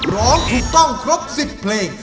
ร้องถูกต้องครบ๑๐เพลง